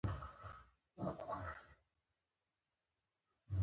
تش جېب مصیبت نه دی، بلکی تش زړه او سر مصیبت دی